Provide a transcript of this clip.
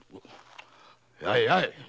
やいやい！